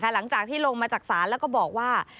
หลังจากที่ลงมาจากศาลแล้วก็บอกว่า